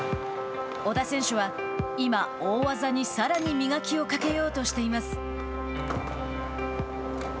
織田選手は、今、大技にさらに磨きをかけようとしています。